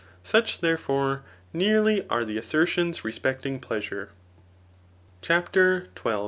Such, therefore, neasly are the asser* idons rejecting, pleasure. CHAPTER in.